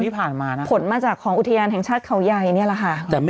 ผลมาจากของอุทยานแห่งชาติเขาใหญ่เนี่ยแหละค่ะ